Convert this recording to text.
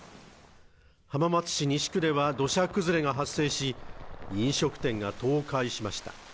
浜松市西区では土砂崩れが発生し飲食店が倒壊しました。